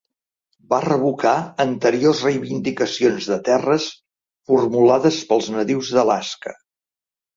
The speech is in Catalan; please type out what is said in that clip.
Va revocar anteriors reivindicacions de terres formulades pels nadius d'Alaska.